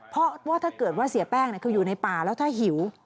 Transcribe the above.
เพราะว่าถ้าเกิดว่าเสียแป้งคืออยู่ในป่าแล้วถ้าหิว